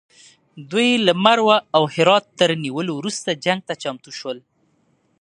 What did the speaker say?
دوی له مرو او هرات تر نیولو وروسته جنګ ته چمتو شول.